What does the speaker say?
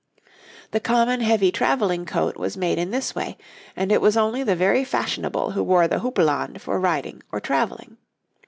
The common heavy travelling coat was made in this way, and it was only the very fashionable who wore the houppelande for riding or travelling.